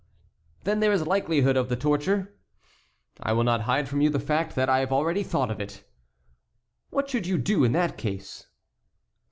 "Then there is likelihood of the torture?" "I will not hide from you the fact that I have already thought of it." "What should you do in that case?"